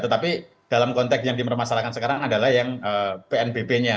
tetapi dalam konteks yang dipermasalahkan sekarang adalah yang pnbp nya